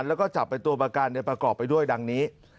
แล้วก็จับไปตัวประกันประกอบไปด้วยดังนี้